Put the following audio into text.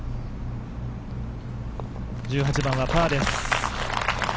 １８番はパーです。